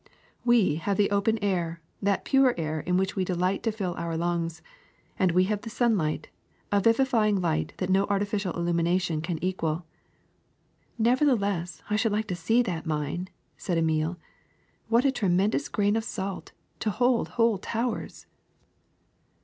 We have the open air, that pure air with which we delight to fill our lungs ; and we have the sunlight, a vivifying light that no artificial illumination can equal. '' ^^Nevertheless I should like to see that mine," said Emile. ^^What a tremendous grain of salt, to hold whole towns